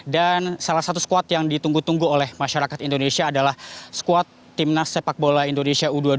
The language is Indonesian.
dan salah satu squad yang ditunggu tunggu oleh masyarakat indonesia adalah squad timnas sepak bola indonesia u dua puluh dua